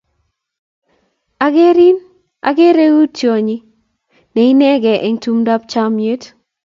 Akerin akere iu tyony ne inekey eng' tumdap chomyet.